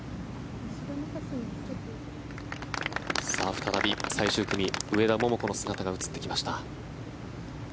再び最終組、上田桃子の姿が映ってきました。